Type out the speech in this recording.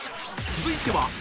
［続いては］